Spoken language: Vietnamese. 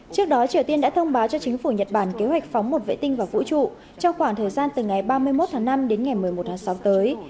trước đó triều tiên đã thông báo cho chính phủ nhật bản kế hoạch phóng một vệ tinh vào vũ trụ trong khoảng thời gian từ ngày ba mươi một tháng năm đến ngày một mươi một tháng sáu tới